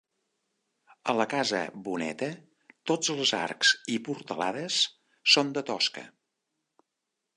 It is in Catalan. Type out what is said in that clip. A la casa Boneta tots els arcs i portalades són de tosca.